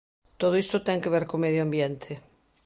Todo iso ten que ver co medio ambiente.